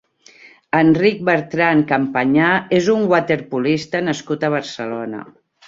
Enric Bertrán Campañá és un waterpolista nascut a Barcelona.